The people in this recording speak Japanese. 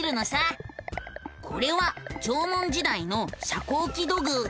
これは縄文時代の遮光器土偶。